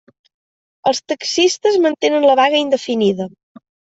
Els taxistes mantenen la vaga indefinida.